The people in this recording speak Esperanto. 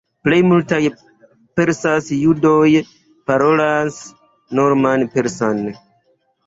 Plej multaj persaj judoj parolas norman persan.